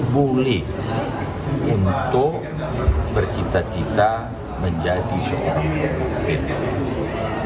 boleh untuk bercita cita menjadi soal